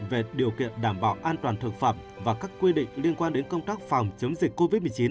về điều kiện đảm bảo an toàn thực phẩm và các quy định liên quan đến công tác phòng chống dịch covid một mươi chín